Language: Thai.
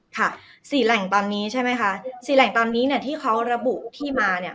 ค่ะสี่แหล่งตอนนี้ใช่ไหมคะสี่แหล่งตอนนี้เนี่ยที่เขาระบุที่มาเนี่ย